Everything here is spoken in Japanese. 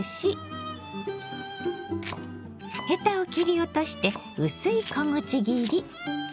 ヘタを切り落として薄い小口切り。